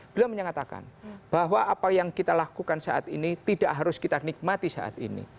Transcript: beliau menyatakan bahwa apa yang kita lakukan saat ini tidak harus kita nikmati saat ini